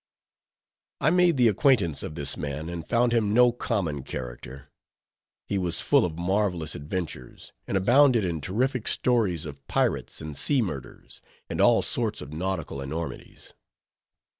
I made the acquaintance of this man, and found him no common character. He was full of marvelous adventures, and abounded in terrific stories of pirates and sea murders, and all sorts of nautical enormities.